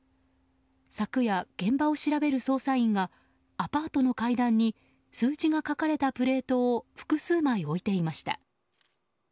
昨夜、現場を調べる捜査員がアパートの階段に数字が書かれたプレートを複数枚、置いていました。